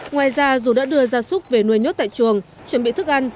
ngoài ra dù đã đưa da súc về nuôi nhốt tại trường chuẩn bị thức ăn